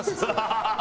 ハハハハ！